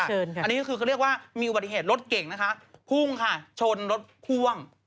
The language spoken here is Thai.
อันนี้คือมีอุบัติเหตุรถเก่งพุ่งค่ะชนรถพ่วง